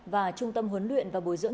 và trung tâm huấn luyện và bồi dưỡng